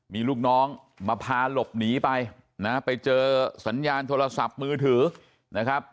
มีลูกน้องมาพาหลบหนีไปนะไปเจอสัญญาณโทรศัพท์มือถือนะครับ